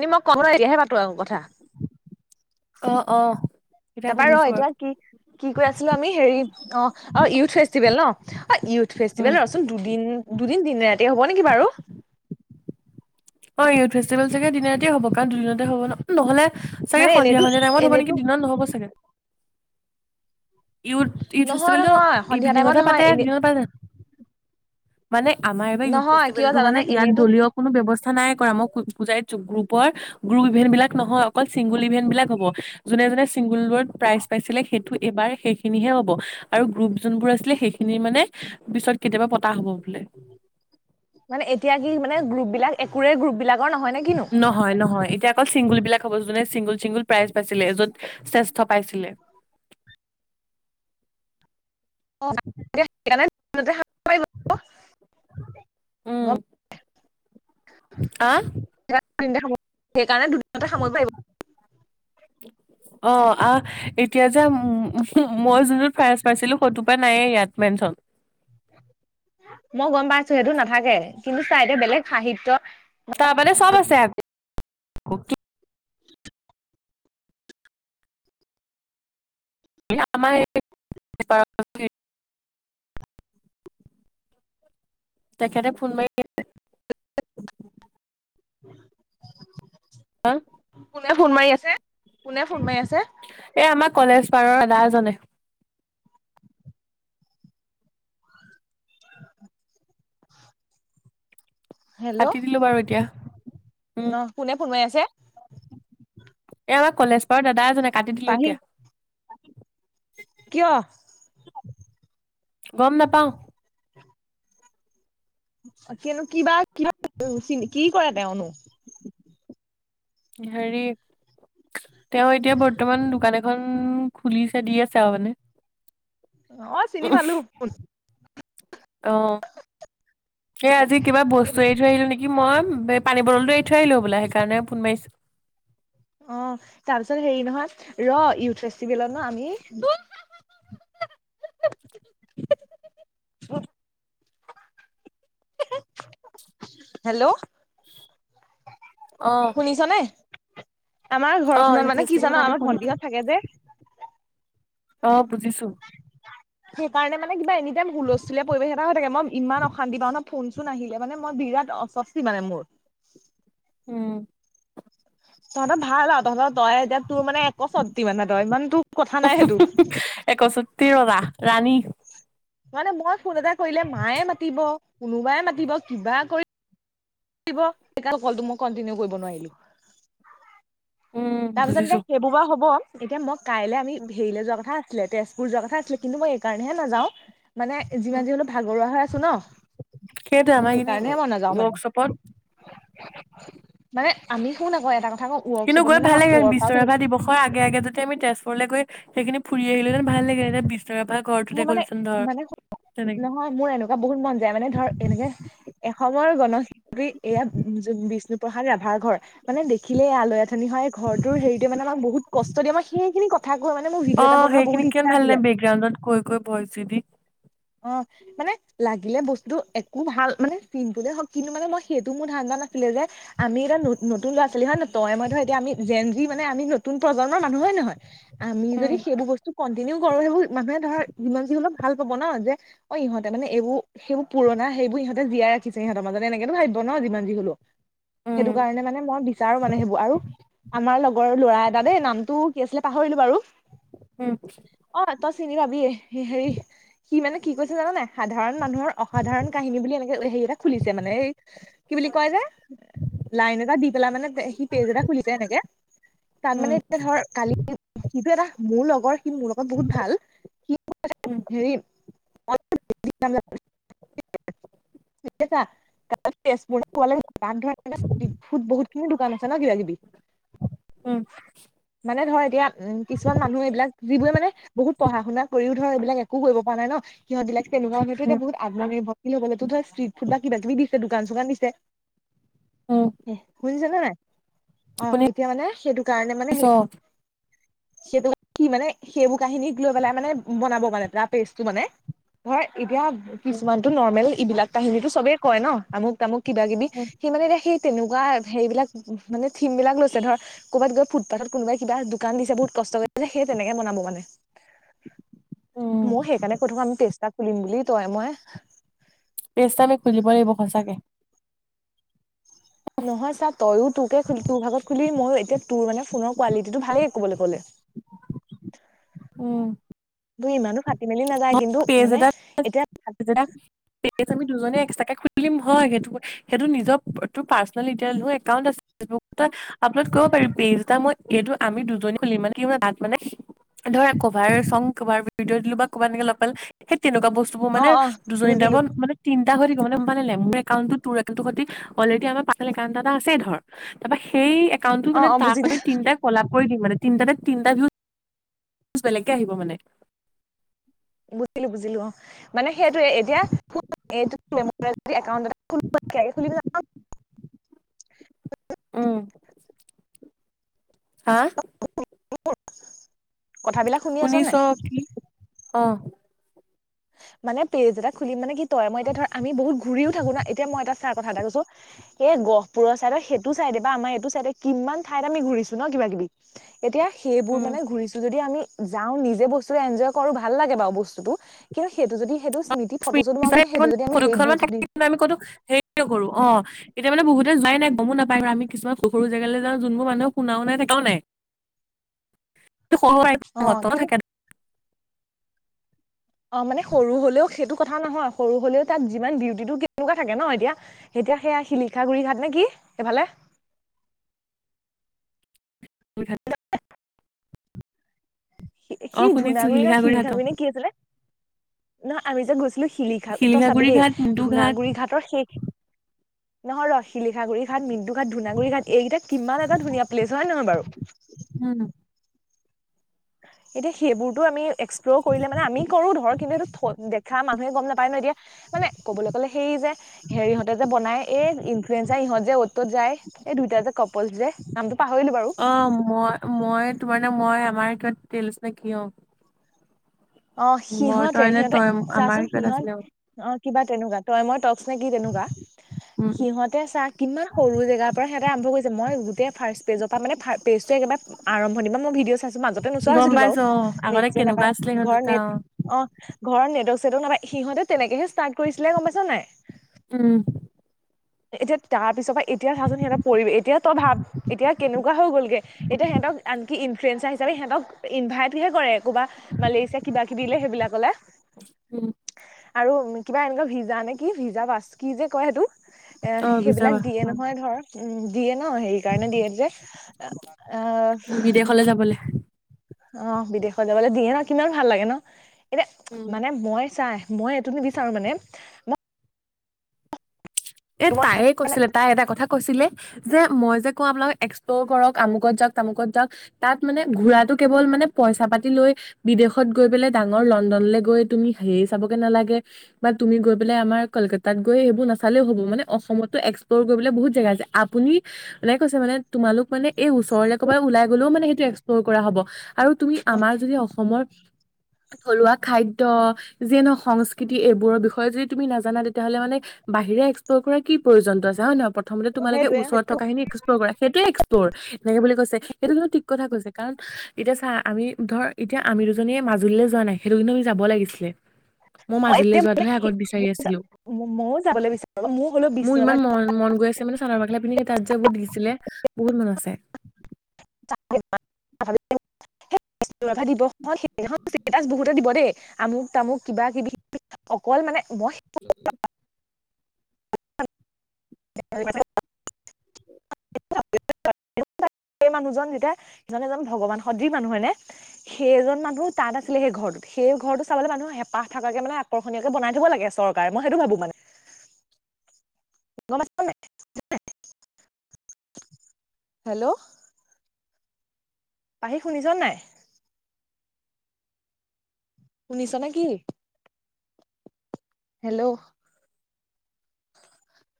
ধী মই কওঁ ন এতিয়াহে পাতো কথা অ অ এতিয়া তাপা ৰ শুনিছো বাৰু এতিয়া কি কি কৈ আছিলো আমি হেৰি অ আৰু ইয়উথ ফেষ্টিভেল ন। ইয়উথ উম ফেষ্টিভেল ৰচোন দুদিন। দুদিন দিনে ৰাতি হব নেকি বাৰু। অ ইউথ ফেষ্টিভেল চাগে দিনা ৰাতি হ'ব কাৰণ দুদিনতে হ'ব ন নহলে। চাগে মানে সন্ধিয়া এনেতো সন্ধিয়া টাইমট হব এনেতো নেকি দিনত নহব চাগে। ইথ ইউথ নহয় ফেষ্টিভেলটো নহয় সন্ধিয়া টাইমত ইভিনিঙতহে নহয় পাতে এনে দিনত পাতে ন। মানে আমাৰ এইবাৰ ইউথ নহয় কিয় ফেষ্টিভেলটো মানে জানানে ইয়াত এনেইতো দলীয় কোনো ব্যৱস্থা নাই কৰা মই বু বুজাই দিছো পৰ গুৰু ইভেন বিলাক নহয়। অকল চিংগুল ইভেন্ট বিলাক হব যোনে যোনে। চিংগুল ৱত প্ৰাইজ পাইছিলে সেইটো এইবাৰ। সেইখিনিহে হ'ব আৰু গ্ৰুপ। যোনবোৰ আছিলে সেইখিনি মানে পিছত কেতিয়াবা পতা হ'ব। বোলে মানে এতিয়া কি মানে গ্ৰুপ বিলাক একোৰে গ্ৰুপ বিলাক। নহয় নহয় এতিয়া অকল চিংগুল বিলাক হ'ব। জনে ছিংগল চিংগুল প্ৰাইজ পাইছিলে যত। শ্ৰেষ্ঠ পাইছিলে। অ। ম দে। [inaudible] [inaudible] আ। সেইকাৰণে দুদিনতে খাব পাৰিব। অ আহ এতিয়া যে মই যোনটো ফাৰচ পাইছিলো ফটো পা নাই ইয়াত মেনছন। মই গম পাইছো সেইটো নাথাকে কিন্তু চাইতে বেলেগ সাহিত্য। তাৰ মানে চব আছে। [inaudible] আমাৰে তেখেতে ফোন মাৰি। [inaudible] হা শ কোনে ফোন মাৰি আছে কোনে ফোন মাৰি আছে। এই আমাৰ কলেজ পাৰৰ এদাজনে। হেল্ল' কাটি দিলো বাৰু এতিয়া উম অ কোনে ফোন মাৰি আছে। এ আমাৰ কলেজ পঢ়া দাদা নে কাটি দিলোঁ পাহি এতিয়া। কিয়? গম নাপাওঁ। কিনো কিবা - কিবা [unintelligible] কি কৰে তেওঁনো? হেৰি তেওঁ এতিয়া বৰ্তমান দোকান এখন খুলিছে- দি আছে আৰু মানে। অ' চিনি পালোঁ। অ' সেই আজি কিবা বস্তু এৰি থৈ আহিলোঁ নে কি মই পানী বটলটো এৰি থৈ আহিলোঁ বোলে। সেইকাৰণে ফোন মাৰিছোঁ। অ' তাৰপিছত হেৰি নহয়, ৰ' ইউথ ফেষ্টিভেলত ন' আমি [unintelligible] অ [inaudible] হেল্ল'? অ', শুনিছ' নে? আমাৰ অ', ঘৰখনত ইউথ মানে কি ফেষ্টিভেলত জান'? আমি আমাৰ শুনিলো ভন্টিহত থাকে যে অ' বুজিছোঁ। সেইকাৰণে মানে কিবা এনি টাইম হুলস্থুলীয়া পৰিৱেশ এটা হৈ থাকে। মই ইমান অশান্তি পাওঁ ন', ফোন-চোন আহিলে। মানে মই বিৰাট অসস্তি মানে মোৰ। উম তহঁতৰ ভাল আৰু। তহঁতৰ তই এতিয়া তোৰ মানে এক স্বত্বি মানে, তই ইমানতো কথা নাই সেইটো। একষষ্ঠি ৰজা ৰাণী মানে মই ফোন এটা কৰিলে মায়ে মাতিব। কোনোবাই মাতিব, কিবা কৰি থাকিব। সেইকাৰণে কলটো মই কন্টিনিউ কৰিব নোৱাৰিলোঁ। উম তাৰ পিছতো যে বুজিছো। সেইবোৰ বাৰু হ'ব এতিয়া ম কাইলে আমি উম, হেৰিলৈ যোৱা কথা আছিলে, তেজপুৰ যোৱা কথা আছিলে। কিন্তু মই এইকাৰণেহে নাযাওঁ, মানে যিমান উম, যি হ'লো ভাগৰুৱা হৈ আছোঁ ন', সেইটোৱে আমাৰ এইখিনি সেইকাৰণেহে মই নাযাওঁ মানে। ৱৰ্কশ্বপত মানে আমি, শুন আকৌ এটা ক তাকো ৱৰ্কশ্বপত মানে বিশ্ব ৱৰ্কআউট ৰাভা দিৱসৰ আগে - আগে যদি আমি তেজপুৰলৈ গৈ, সেইখিনি ফুৰি আহিলে, ভাল লাগিলে হয়ৰে বি মোৰ মানে- মানে [unintelligible] তেনেকে নহয়। মোৰ এনেকুৱা বহুত মন যায়। মানে ধৰ এনেকে এসময়ৰ গণ শিল্পী এয়া বিষ্ণুপ্ৰসাদ ৰাভাৰ ঘৰ। মানে দেখিলেই আলৈ-আথনি হয়। এই ঘৰটোৰ হেৰিটোৱে মানে আমাক বহুত কষ্ট দিয়ে। মই সেইখিনি ক অ' সেইখিনি কিমান ভাল লা- বেকগ্ৰাউণ্ডত কৈ। ক ভইচচি দি [unintelligible] অ মানে লাগিলে বস্তুটো একো ভাল মানে চিন্পুল হওক কিন্তু মানে মই সেইটো মোৰ ধান দা নাছিলে যে আমি এতিটা নতুন ল'ৰা ছোৱালী হয় ন তই মই ধৰ এতিয়া আমি জেন যি মানে আমি নতুন প্ৰজন্মৰ মানুহ হয় নহয়। আমি উম যদি সেইবোৰ বস্তু কণ্টিনিউ কৰো দেখুন মানুহে ধৰা যিমান যি নহওঁক ধৰ ভাল পাব ন যে অ ইহঁতে মানে এইবোৰ সেইবোৰ পুৰণা সেইবোৰ ইহঁতে জীয়াই ৰাখিছে ইহতৰ মাজতে এনেকেতো ভাবিব ন যিমান যি হলো। সেইটো উম কাৰণে মানে মই বিচাৰো মানে সেইবোৰ আৰু আমাৰ লগত লগৰ ল'ৰা এটা দেই নামটো কি আছিলে পাহৰিলো বাৰু উম অ তই চিনি পাবিএ হেৰি কি মানে কৈছে জানে সাধাৰণ মানুহৰ অসাধাৰণ কাহিনী বুলি এনেকে হেৰি এটা খুলিছে মানে এই কি বুলি কয় যে লাইন এটা দি পেলা মানে সি পেজ এটা খুলিছে এনেকে তাত উম মানে এতিয়া ধৰ কালি সিটো এটা মোৰ লগৰ স মোৰ লগত বহুত ভাল স উম হেৰি বহুত খিনি দোকান আছে ন কিবা কিবি [unintelligible] উম এনে ধৰ এতিয়া উম কিছুমান মানুহ এইবিলাক যিবোৰে মানে বহুত পঢ়া শুনা কৰিও ধৰ এইবিলাক একো কৰিব পোৱা নাই ন সিহতবিলাক তেনেকুৱা উম হয়তোত বহুত আত্মনিৰ্ভৰশীল তাৰ ত তই ষ্ট্ৰিট ফুড বা কিবা কিবি দিছে দোকান চুকান দিছে উম শুনিছানে নাই অঁ শুনি এতিয়া মানে সেইটো কাৰণে মানে পিছত হেৰি সেইটো কি মানে সেইবোৰ কাহিনী লৈ পেলাই মানে বনাব মানে তাত পেইজতো মানে ধৰক ই এতিয়া কিছুমানতো নৰ্মেল এইবিলাক কাহিনীতটো চবেই কয় ন আমুক তামুক কিবা কিবি উম সি মানে দে সেই তেনেকুৱা হেৰিবিলাক মানে থিম বিলাক লৈছে ধৰ ক'ৰবাত গৈ ফুটপাথত কোনোবাই কিবা দোকান দিছে বহুত কষ্ট কৰিছে সেই তেনেকে বনাব মানে উম, মোৰ সেইকাৰণ কৈ থাকো আমি তে তাক খুলিম বুলি তই মই পেজ এটা আমি খুলিব লাগিব সচাঁকে নহয় ছা তইয়ো তোকে তোৰ ভাগত খুলি মই এতিয়া তোৰ মানে ফোনৰ কোৱালিটিটো ভালেই ক'বলৈ ক'লে উম তোৰ ইমানো ফাটি মেলি নাযায়। কিন্তু পেছ এটা, মানে এতিয়া পেছ এটা, আমি দুজনীয়ে এক্সট্ৰাকে - খুলিম হয় সেইটো, সেইটো নিজৰ ৰিপ্ৰেজেণ্টেটিভ নিজৰ একাউণ্ট আছে লৈ আপলড কৰিব পাৰি পেজ এটা মই এইটো আমি দুজনীয়ে খুলিম মানে ধৰ কভাৰ চং কভাৰ ভিডিও দিলো হয় [unintelligible] সেইটো- তেনেকুৱা বস্তু বোৰ অ মানে, অ দুজনি বুজিলো মানে তি- সেই [inaudible] মোৰ একাউণ্টটো তোৰ [inaudible] অলৰেডি আমাৰ পাৰ্চনেল একাউণ্ট এটা আছে ধৰ, তাৰ পৰা সেই এ একাউণ্টটো অ মানে অ তাৰ বুজিলো আগতে তিনিটা কলা- কৰি দিম মানে, তিনিটা তিনিটা ভিও- বেলেগকে আহিব মানে। বুজিলো, বুজিলো, অ। মানে সেইটোৱে এতিয়া [inaudible] এইকাউট [inaudible] উম। হা। [inaudible] কথাবিলাক শুনি আছ শুনিছ নে? কি অ। মানে পেজ এটা খুলি মানে কি- ত মই এতিয়া ধৰ, আমি বহুত ঘুৰিও থাকো না এতিয়া মই এটা চা- কথা এটা কৈছো, সেই গহপুৰৰ চাইডৰ সেইটো চাইডে বা আমাৰ এইটো চাইডে কিমান ঠাইত আমি ঘুৰিছো ন কিবা কিবি এতিয়া সেইবোৰ উম মানে ঘূৰিছোঁ যদি আমি- যাওঁ নিজে বস্তু এঞ্জয় কৰো ভাল লাগে বাৰু বস্তুটো কিয় সেইটো যদি সেইটো- স্মৃতি ফটো চটো মাৰো কিন্তু ্ম সেইটো যদি আমি হেৰি দি থাকে দিম কিন্তু আমি কতো হেৰি নকৰো অ [inaudible] এতিয়া মানে বহুতে যোৱাই নাই গমো নাপায় ন আমি কিছুমান সৰু সৰু জেগালৈ যাওঁ যোনবোৰ মানুহক শুনাও নাই দেখাও নাই। অ সহত কি থাকে [inaudible] অ মানে সৰু হলেও সেইটো কথাও নহয়, সৰু হলেও তাত যিমান বিউটিটো কেনেকুৱা থাকে ন এতিয়া, এতিয়া সেয়া শিলিখা গুৰি ঘাট নে কি সেইফালে- [inaudible] অ সি শুনিছো ধূনাগুৰি ন ঘাট শিলিখাগুৰি নে কি আছিলে? ন আমি যে গৈছিলো- শিলিখা তই চাবি শিলিখাগুৰি দেই, ঘাট মুদু ঘাট ধুনাগুৰি ঘাটৰ শেষ- নহয় ৰ শিলিখাগুৰি ঘাট, মি- ঘাট, ধুনাগুৰি ঘাট এইকেইটা কিমান এটা ধুনীয়া প্লেছ হয় নে নহয় বাৰু। উম এতিয়া সেইবোৰতো আমি- এক্সপ্লৰ কৰিলে মানে আমি কৰো ধৰক কিন্তু এইটো থ দেখা মানুহে গম নাপায় - পাই ন দিয়া- মানে ক'বলৈ গ'লে সেই যে হেৰি ইহতে যে বনাই এই ইনফ্লুএন্সাৰ ইহঁত যে অটতত যায় এই দুইটা যে ক অ মই মই তোমাৰনে মই আমাৰ তেলছ নে কিয় অ সিহঁতে সিহঁতে তই আমাৰ চাচোন কিবা এটা সিহঁত আছিলে অ কিবা তেনেকুৱা তই মই ত নে কি তেনেকুৱা উম সিহঁতে চা কিমান সৰু জেগাৰ পৰা সিহঁতে আৰম্ভ কৰি মই গোটেই ফাৰ্ষ্ট পেজৰ পৰা মানে পেজ টো একেবাৰে আৰম্ভনিৰ পৰা মই ভিডিঅ' চাইছো মাজতে নোচোৱা গম হৈছিলো বাৰু পাইছো অ আগতে কেনেকুৱা নাপাই আছিলে সিহঁত ঘৰ দুটা অ নেট অ ঘৰত নেটৱৰ্ক চেটৱৰ্ক নাপাই সিহঁতে তেনেকে ইষ্টত কৰিছিলে গম পাইচ নাই উম এতিয়া তাৰ পিছৰ পৰা এতিয়া চাচোন সিহঁতৰ পৰি এতিয়া তই ভাব এতিয়া কেনেকুৱা হৈ গ'লগে এতিয়া সিহঁতক আনকি ইনফ্লোএন্সাৰ হিচাপে সিহঁতক ইনভাইটহে কৰে কবা মালেচিয়া কিবা কিবি সেইবিলাক কলে উম আৰু কিবা এনেকুৱা ভিজা নে কি ভিজা পাচ কি যে কয় সেইটো এ অ ভিজা সেইবিলাক দিয়ে নহয় ধৰ উ ন সেইকাৰণে দিয়ে যে এ বিদেশলৈ যাবলৈ অ বিদেশতলে যাবলে দিয়ে ন কিমান ভাল লাগে ন এতিয়া উম মানে মই চাই মই এইটো নিবিচাৰো মানে মই এ তাই কৈছিলে তাই এটা কথা কৈছিলে যে মই যে আকৌ আপোনাক এক্সপ্লৰ কৰক আমুকত যাওক তামুকত যাওঁক তাত মানে ঘোৰাটো কেৱল মানে পইচা পাতি লৈ বিদেশত গৈ পেলাই ডাঙৰ লণ্ডনলৈ গৈ তুমি হেৰি চাবকে নালাগে বা তুমি গৈ পেলাই আমাৰ কলকাতাত গৈ সেইবোৰ নাচালেও হ'ব মানে অসমতে এক্সপ্লৰ কৰিবলৈ বহুত জেগা আছে আপোনি এনে কৈছে মানে তোমালোক মানে এই ওচৰত ওলাই গলেও মানে সেইটো এক্সপ্লৰ কৰা হব আৰু তুমি অ আমাৰ যদি অসমৰ থলুৱা খাদ্যয় যিয়ে নহওক সংস্কৃতি এইবোৰৰ বিষয়ে যদি তুমি নাজানা তেতিয়াহ'লে মানে বাহিৰে এক এক্সফ্লৰত কৰা কি প্ৰয়োজনটো আছে হয় নহয় প্ৰথম তোমালোকে সেইটোয়ে ওচৰত থকা খিন এক্সপ্লৰ কৰা সেইোৱে এক্সপ্লৰ এনে বুলি কৈছে সেইটো কিন্তু ঠিক কথা কৈছে কাৰণ এতিয়া চা আমি ধৰ এতিয়া আমি দুজনীয়ে মাজুলীলৈ যোৱা নাই সেইটো কিন্তু যাব লাগিছিলে মই অ মাজুলীলৈ এতিয়া মানে যোৱাটোহে সে আগত বিচাৰি আছিলো ময়ো যাবলৈ বিচাৰো হলেও মোৰ বিষ্ণুৰাভা ইমান মন মন গৈ আছে মানে চাদৰৰ মেখেলা পিন্ধি সে তাত যে বহুত দিখিছিলে বহুত মনত আছে ৰাভা দিৱস দিনাখন বহুতে দিব দেই আমুক তামুক কিবা কিবি অকল মানে উম উম ় [unintelligible] সেই মানুহজন যেতিয়া এজন এজন ভগৱান সদৃ মানুহ হয়নে সেই এজন মানুহো তাত আছিলে সেই ঘৰটোত সেই ঘৰটো চাবলৈ মানুহ হেঁপাহ থকাকে মানে আকৰ্ষণীয়কে বনাই থব লাগে চৰকাৰে মই সেইটো ভাবো মানে। গল আছেনে যে হেল্লো' পাহি শুনিছ নে নাই শুনিছ নেকি? হেল্লো' অ